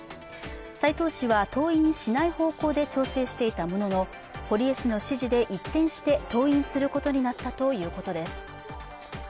斉藤氏は登院しない方向で調整していたものの、堀江氏の指示で一転して登院することになったということです。